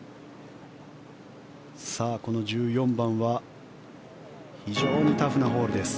この１４番は非常にタフなホールです。